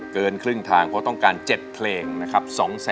เกินครึ่งทางเพราะต้องการ๗เครง